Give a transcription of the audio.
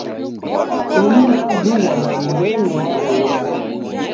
Ini nazughwa na mbenyi w'aghuda.